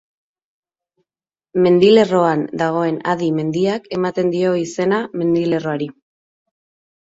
Mendilerroan dagoen Adi mendiak ematen dio izena mendilerroari.